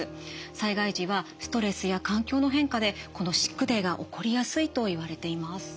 災害時はストレスや環境の変化でこのシックデイが起こりやすいといわれています。